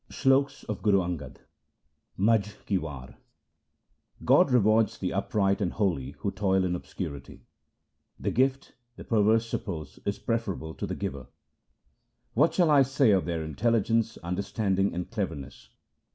SLOKS OF GURU ANGAD Majh ki War God rewards the upright and holy who toil in obscurity :— The gift, the perverse suppose, is preferable to the Giver ; What shall I say of their intelligence, understanding, and cleverness